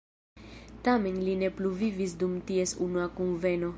Tamen li ne plu vivis dum ties unua kunveno.